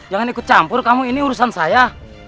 jangan ikut campur kamu ini urusan saya